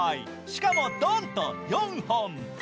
しかも、ドンと４本！